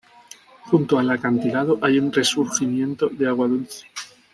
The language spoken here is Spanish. Junto al acantilado, hay un resurgimiento de agua dulce.